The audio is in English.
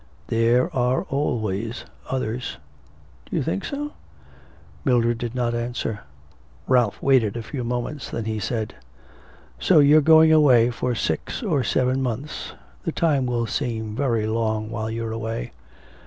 'There are always others.' 'Do you think so?' Mildred did not answer. Ralph waited a few moments, then he said: 'So you're going away for six or seven months; the time will seem very long while you're away.'